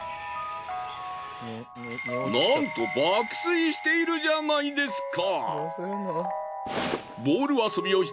なんと爆睡しているじゃないですか！